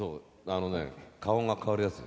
あのね顔が変わるやつ。